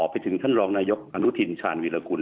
ไปถึงท่านรองนายกอนุทินชาญวิรากุล